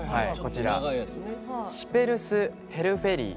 シペルス・ヘルフェリー。